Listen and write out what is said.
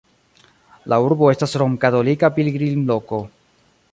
La urbo estas romkatolika pilgrimloko.